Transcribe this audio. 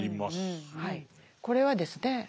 これはですね